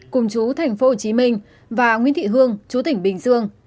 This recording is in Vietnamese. cùng chú thành phố hồ chí minh và nguyễn thị hương chú tỉnh bình dương